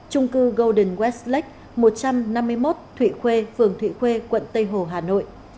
trung cư golden westlake một trăm năm mươi một thụy khuê phường thụy khuê quận tây hồ hà nội